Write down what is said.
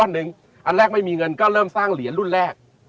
อันแรกไม่มีเงินเลยสร้างเหลี่ยนอันแรกไม่มีเงินก็เริ่มสร้างเหรียญรุ่นแรก